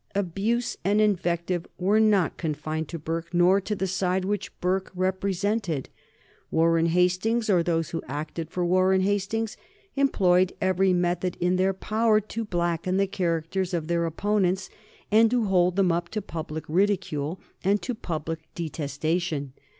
Abuse and invective were not confined to Burke nor to the side which Burke represented. Warren Hastings, or those who acted for Warren Hastings, employed every means in their power to blacken the characters of their opponents and to hold them up to public ridicule and to public detestation.